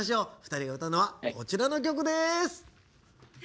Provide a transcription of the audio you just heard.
２人が歌うのは、こちらの曲です。